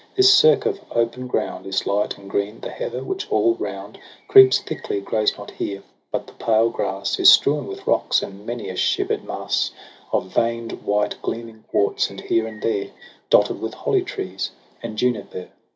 This cirque of open ground Is light and green; the heather, which all round Creeps thickly, grows not here ; but the pale grass Is strewn with rocks, and many a shiver'd mass, 220 TRISTRAM AND ISEULT. Of vein'd white gleaming quartz, and here and there Dotted with holly trees and juniper.